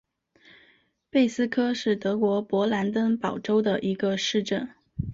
贝斯科是德国勃兰登堡州的一个市镇。